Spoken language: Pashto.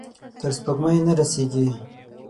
تر سپوږمۍ نه رسیږې